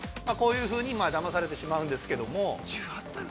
こういうふうにだまされてしまうんですけれども。